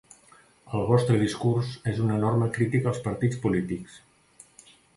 El vostre discurs és una enorme crítica als partits polítics.